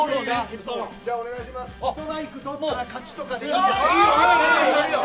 ストライク取ったら勝ちとかでいいですか。